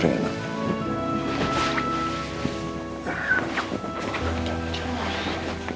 tunggu taruh dulu